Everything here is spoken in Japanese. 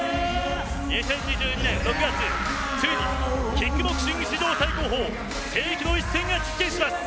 ２０２２年６月、ついにキックボクシング史上最高峰世紀の一戦が実現します。